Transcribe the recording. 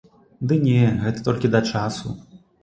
Ды не, гэта толькі да часу.